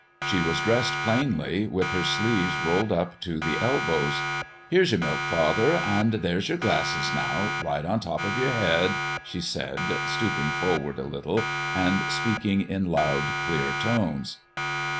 She was dressed plainly, with her sleeves rolled up to the elbows. "Here's your milk, father; and there's your glasses now, right on top of your head," she said, stooping forward a little and speaking in loud, clear tones.